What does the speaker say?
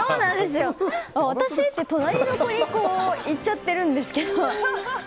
私？って隣の子に言っちゃってるんですけど。